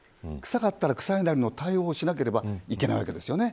臭かったら臭いなりの対応をしなければいけないわけですよね。